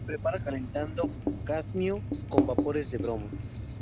Se prepara calentando cadmio con vapores de bromo.